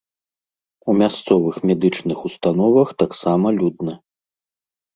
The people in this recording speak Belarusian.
У мясцовых медычных установах таксама людна.